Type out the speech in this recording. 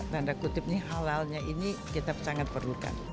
tanda kutip ini halalnya ini kita sangat perlukan